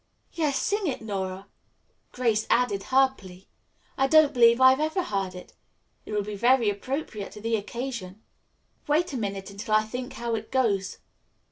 "Yes, sing it, Nora." Grace added her plea. "I don't believe I've ever heard it. It will be very appropriate to the occasion." "Wait a minute until I think how it goes."